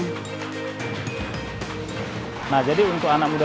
nah jadi untuk anak muda sekarang jangan mau mati berkarya untuk tenunan kalau mau